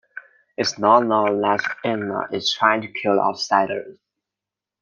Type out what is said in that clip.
It is not known that Ilona is trying to kill the Outsiders.